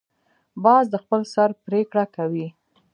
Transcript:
باز د خپل سر پریکړه کوي